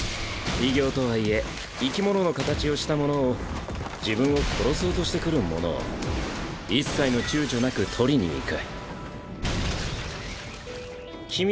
異形とはいえ生き物の形をしたものを自分を殺そうとしてくるものを一切の躊躇なく殺りに行く。ドゴッ！